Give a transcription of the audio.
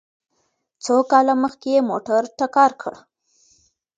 چې څو کاله مخکې يې موټر ټکر کړ؟